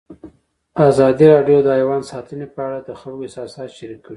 ازادي راډیو د حیوان ساتنه په اړه د خلکو احساسات شریک کړي.